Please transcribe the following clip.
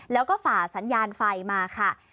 แล้วก็ฝ่าสัญญาณไฟมาค่ะ